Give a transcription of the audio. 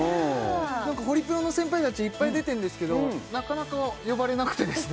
何かホリプロの先輩達いっぱい出てるんですけどなかなか呼ばれなくてですね